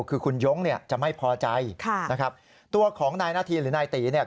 คือคุณยงเนี่ยจะไม่พอใจค่ะนะครับตัวของนายนาธีหรือนายตีเนี่ย